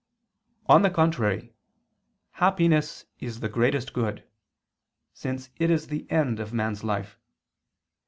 On the contrary, Happiness is the greatest good: since it is the end of man's life.